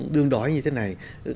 đương đói như thế này